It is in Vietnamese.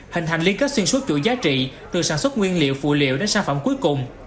hình thành liên kết xuyên suốt chuỗi giá trị từ sản xuất nguyên liệu phụ liệu đến sản phẩm cuối cùng